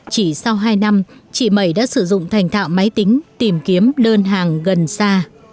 chỉ sau hai năm chị mẩy đã sử dụng thành thạo máy tính tìm kiếm đơn hàng gần xa